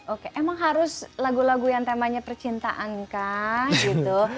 oke emang harus lagu lagu yang temanya percintaan kak gitu